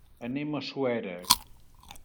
Anem a Suera.